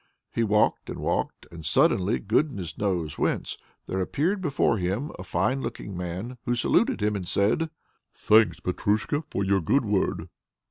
He walked and walked, and suddenly, goodness knows whence, there appeared before him a fine looking man, who saluted him and said: "Thanks, Petrusha, for your good word!"